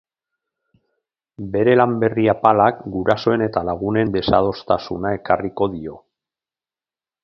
Bere lan berri apalak gurasoen eta lagunen desadostasuna ekarriko dio.